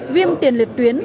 viêm tiền liệt tuyến